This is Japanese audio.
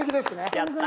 やった！